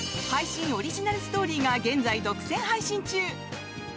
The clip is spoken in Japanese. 配信オリジナルストーリーが現在、独占配信中！